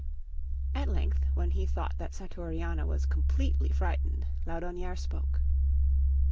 At length when he thought that Satouriona was completely frightened, Laudonnière spoke.